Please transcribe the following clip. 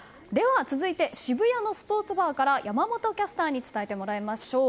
続いて、渋谷のスポーツバーから山本キャスターに伝えてもらいましょう。